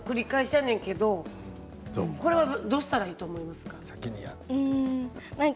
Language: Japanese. このやり取りの繰り返しやねんけどこれはどうしたらいいと思いますか。